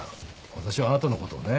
私はあなたのことをね